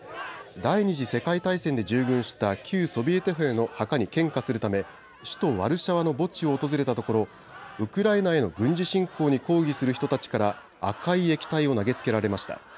第２次世界大戦で従軍した旧ソビエト兵の墓に献花するため首都ワルシャワの墓地を訪れたところウクライナへの軍事侵攻に抗議する人たちから赤い液体を投げつけられました。